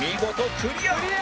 クリア！